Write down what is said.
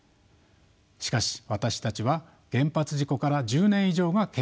しかし私たちは原発事故から１０年以上が経過しているにもかかわらず